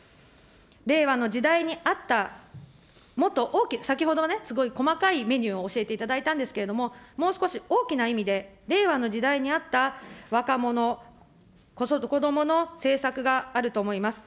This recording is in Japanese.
令和の時代に合った、先ほどは細かいメニューを教えていただいたんですけれども、もう少し大きな意味で、令和の時代に合った若者、子どもの政策があると思います。